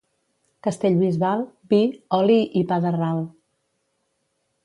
Castellbisbal, vi, oli i pa de ral.